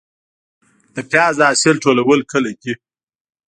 د پیاز د حاصل ټولول کله دي؟